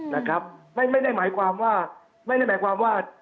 นะครับไม่ได้หมายความว่า